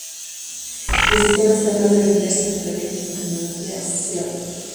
El sistema es capaz de defenderse contra aviones con tecnología "Stealth".